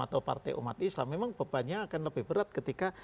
atau partai umat islam memang bebannya akan lebih berat ketika